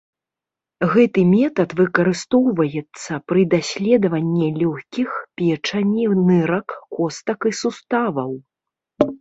Гэты метад выкарыстоўваецца пры даследаванні лёгкіх, печані, нырак, костак і суставаў.